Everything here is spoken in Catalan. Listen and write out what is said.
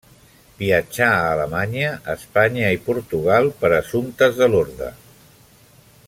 Viatjà a Alemanya, Espanya i Portugal per assumptes de l'orde.